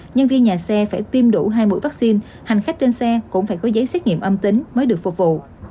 nhân viên nhà xe phải tiêm đủ hai mũi vaccine hành khách trên xe cũng phải có giấy xét nghiệm âm tính mới được phục vụ